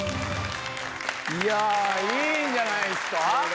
いいんじゃないっすか？